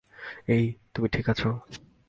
এই, তুমি ঠিক আছ?